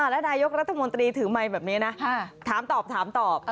แล้วนายกรัฐมนตรีถือไมค์แบบนี้นะถามตอบถามตอบ